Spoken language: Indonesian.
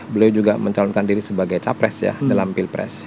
beliau juga mencalonkan diri sebagai capres ya dalam pilpres